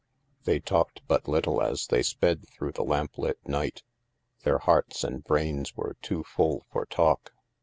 They talked but little as they sped through the lamplit night Their hearts and brains were too full for talk.